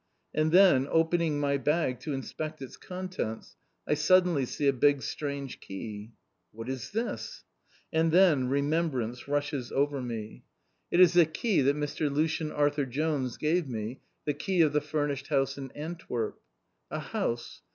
And then, opening my bag to inspect its contents, I suddenly see a big strange key. What is this? And then remembrance rushes over me. It is the key that Mr. Lucien Arthur Jones gave me, the key of the furnished house in Antwerp. A house!